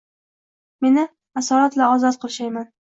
meni asorat-la ozod qil – shayman.